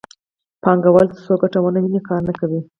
پانګوال ترڅو ګټه ونه ویني کار نه کوي